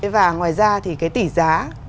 và ngoài ra thì cái tỷ giá